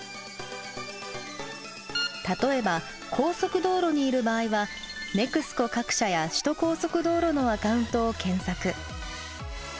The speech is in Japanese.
例えば高速道路にいる場合はＮＥＸＣＯ各社や首都高速道路のアカウントを検索。